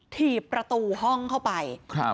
ถีบประตูห้องเข้าไป